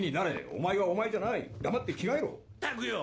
お前はお前じゃない黙って着替えろったくよ